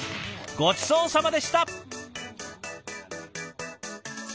ごちそうさまでした！